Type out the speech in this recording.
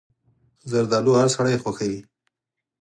زردالو هر سړی خوښوي.